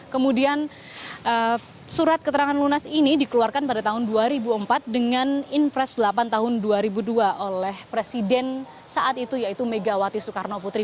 kemudian surat keterangan lunas ini dikeluarkan pada tahun dua ribu empat dengan inpres delapan tahun dua ribu dua oleh presiden saat itu yaitu megawati soekarno putri